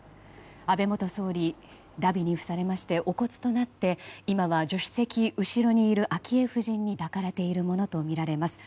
安倍元総理、だびに付されましてお骨となって今は助手席後ろにいる昭恵夫人に抱かれているものとみられます。